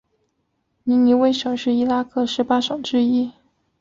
尼尼微省是伊拉克十八省之一。